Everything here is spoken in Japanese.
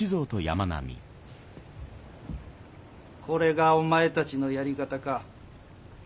これがお前たちのやり方か？